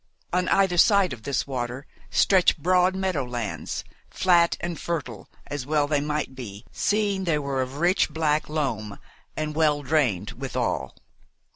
On either side of this water stretched broad meadow lands, flat and fertile, as well they might be, seeing they were of rich black loam, and well drained, withal.